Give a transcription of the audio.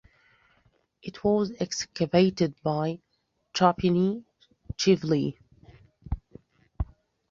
It was excavated by Chubinishvili.